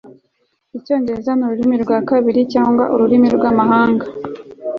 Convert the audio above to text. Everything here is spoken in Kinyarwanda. Icyongereza ni ururimi rwa kabiri cyangwa ururimi rwamahanga